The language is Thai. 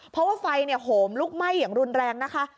เพราะว่าไฟโหมลุกไหม้อย่างรุนแรงนะคะ